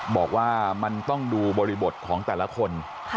บอกว่ามันต้องดูบริบทของแต่ละคน